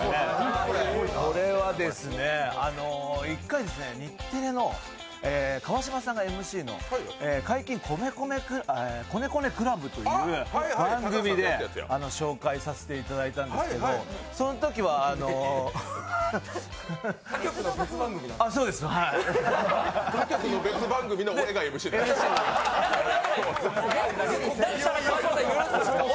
これは１回、日テレの川島さんがＭＣの解禁コネコネクラブという番組で紹介させていただいたんですけど、そのときはもう別番組の、俺がＭＣやってるという。